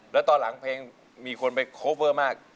แล้วตอนหลังเพลงมีคนไปโคเวอร์มาก